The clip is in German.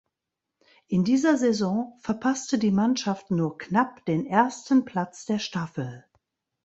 In dieser Saison verpasste die Mannschaft nur knapp den ersten Platz der Staffel.